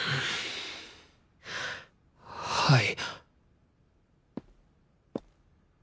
はい。